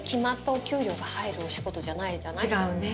違うね。